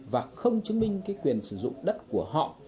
và không chứng minh cái quyền sử dụng đất của họ